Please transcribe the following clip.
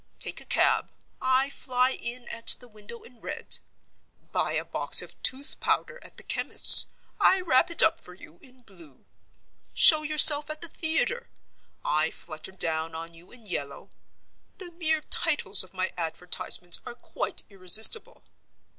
Take a cab—I fly in at the window in red. Buy a box of tooth powder at the chemist's—I wrap it up for you in blue. Show yourself at the theater—I flutter down on you in yellow. The mere titles of my advertisements are quite irresistible.